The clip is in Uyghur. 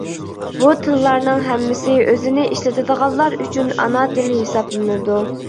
بۇ تىللارنىڭ ھەممىسى ئۆزىنى ئىشلىتىدىغانلار ئۈچۈن ئانا تىل ھېسابلىنىدۇ.